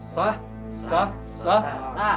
sah sah sah sah